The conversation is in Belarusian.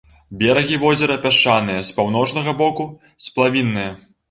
Берагі возера пясчаныя, з паўночнага боку сплавінныя.